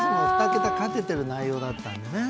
２桁勝ててる内容だったんでね。